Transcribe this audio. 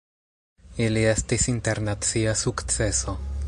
Ili estis internacia sukceso.